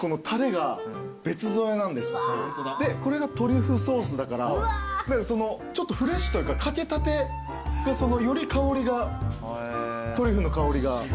でこれがトリュフソースだからちょっとフレッシュというかかけたてがより香りがトリュフの香りがフレッシュに。